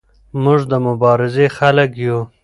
موږ د مبارزې خلک یو.